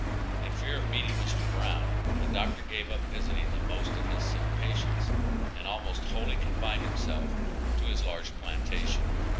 In fear of meeting Mr. Brown, the doctor gave up visiting the most of his sick patients, and almost wholly confined himself to his large plantation.